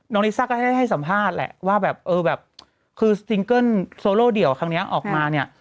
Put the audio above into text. ลิซ่าก็ได้ให้สัมภาษณ์แหละว่าแบบเออแบบคือสติงเกิ้ลโซโลเดี่ยวครั้งนี้ออกมาเนี่ย